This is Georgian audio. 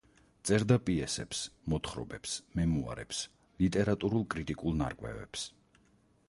წერდა პიესებს, მოთხრობებს, მემუარებს, ლიტერატურულ-კრიტიკულ ნარკვევებს.